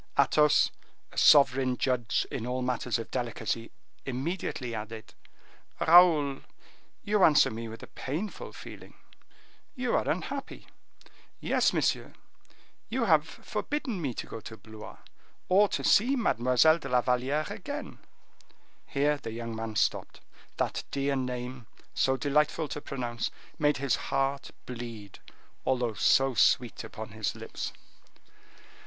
Athos, a sovereign judge in all matters of delicacy, immediately added, "Raoul, you answer me with a painful feeling; you are unhappy." "Very, monsieur; you have forbidden me to go to Blois, or to see Mademoiselle de la Valliere again." Here the young man stopped. That dear name, so delightful to pronounce, made his heart bleed, although so sweet upon his lips.